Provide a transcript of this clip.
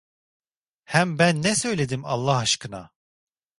Hem ben ne söyledim Allah aşkına?